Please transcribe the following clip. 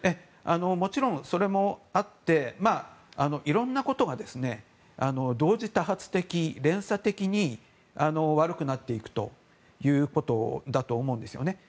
もちろん、それもあっていろんなことが同時多発的、連鎖的に悪くなっていくということだと思うんですよね。